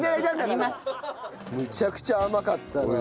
むちゃくちゃ甘かったな。